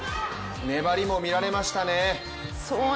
粘りも見られましたね。